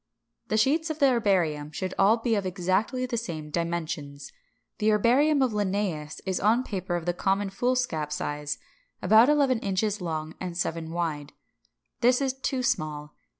The sheets of the herbarium should all be of exactly the same dimensions. The herbarium of Linnæus is on paper of the common foolscap size, about eleven inches long and seven wide. This is too small.